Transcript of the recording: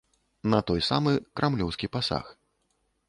На той самы крамлёўскі пасаг.